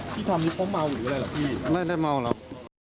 พี่ทำนี้เพราะเมาหรือได้หรือเปล่าพี่ไม่ได้เมาหรอก